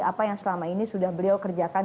apa yang selama ini sudah beliau kerjakan